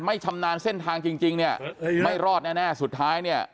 ชำนาญเส้นทางจริงจริงเนี่ยไม่รอดแน่สุดท้ายเนี่ย